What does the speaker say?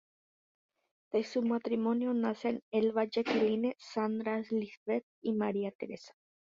De su matrimonio nacen Elba Jacqueline, Sandra Lisbeth y María Teresa.